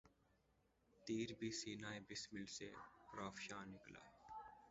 تیر بھی سینہٴ بسمل سے پرافشاں نکلا